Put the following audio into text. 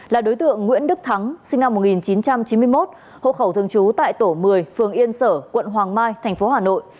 là đối tượng nguyễn đức thắng sinh năm một nghìn chín trăm chín mươi một hộ khẩu thường trú tại tổ một mươi phường yên sở quận hoàng mai tp hà nội